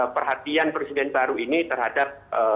perhatian presiden baru ini terhadap